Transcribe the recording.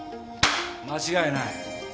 間違いない！